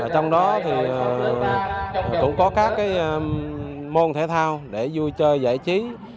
trong đó thì cũng có các môn thể thao để vui chơi giải trí